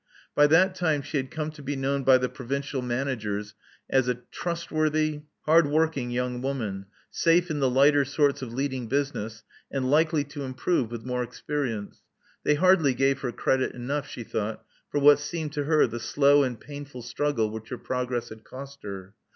By that time she had come to be known by the provincial managers as a trustworthy, hard Love Among the Artists 163 working young woman, safe in the lighter sorts of leading business, and likely to improve with more experience. They hardly gave her credit enough, she thought, for what seemed to her the slow and painful struggle which her progress had cost her.